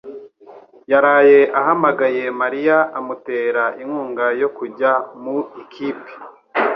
yaraye ahamagaye Mariya amutera inkunga yo kujya mu ikipe